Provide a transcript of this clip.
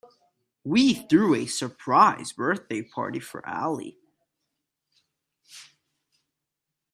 We threw a surprise birthday party for Ali.